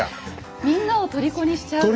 みんなをとりこにしちゃうようなね。